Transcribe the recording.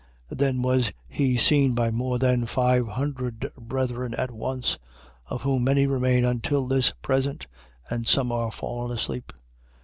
15:6. Then was he seen by more than five hundred brethren at once: of whom many remain until this present, and some are fallen asleep.